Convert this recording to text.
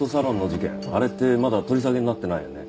あれってまだ取り下げになってないよね？